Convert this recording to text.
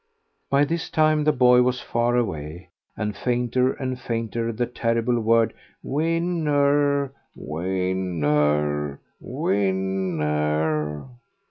By this time the boy was far away, and fainter and fainter the terrible word, "Win ner, win ner, win ner."